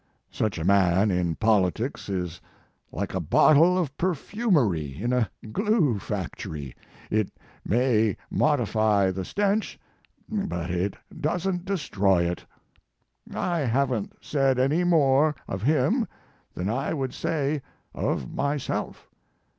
Such a man in politics is like a bottle of perfumery in a glue factory it may mod ify the stench but it doesn t destroy it. I haven t said any more of him than I would say of myself.